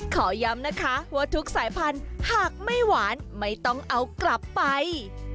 ขอย้ำนะคะว่าทุกสายพันธุ์หากไม่หวานไม่ต้องเอากลับไป